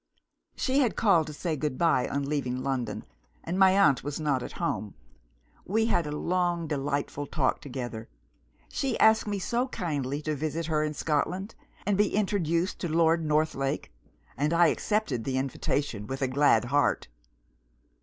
"She had called to say good bye, on leaving London; and my aunt was not at home. We had a long delightful talk together. She asked me so kindly to visit her in Scotland, and be introduced to Lord Northlake, that I accepted the invitation with a glad heart.